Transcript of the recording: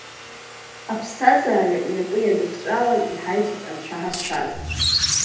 Аԥсҭазаара инапы иадыхҵәалан иҳаиҭеит анцәа ҳазшаз.